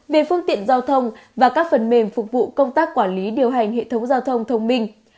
về phương tiện giao thông và các phần mềm phục vụ công tác quản lý điều hành hệ thống giao thông thông minh